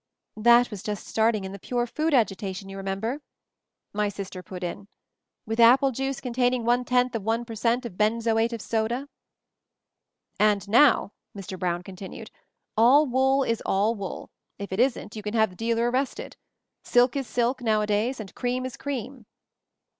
"That was just starting in the pure food agitation, you remember," my sister put in — ('with apple juice containing one tenth MOVING THE MOUNTAIN 139 of one per cent, of benzoate of soda')." "And now," Mr. Brown continued, " 'all wool' is all wool; if it isn't, you can have the dealer arrested. Silk is silk, nowadays, and cream is cream."